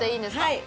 はい。